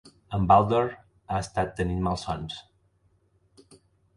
En Baldr ha estat tenint malsons.